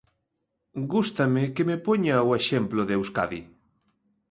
Gústame que me poña o exemplo de Euskadi.